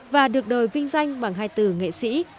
và được đời vinh danh bằng hai từ nghệ sĩ